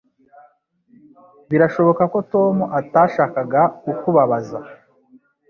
Birashoboka ko Tom atashakaga kukubabaza